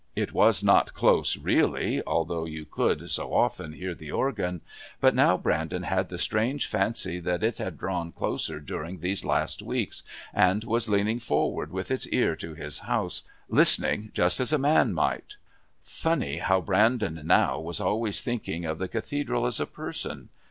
It was not close really, although you could, so often, hear the organ, but now Brandon had the strange fancy that it had drawn closer during these last weeks, and was leaning forward with its ear to his house, listening just as a man might! Funny how Brandon now was always thinking of the Cathedral as a person!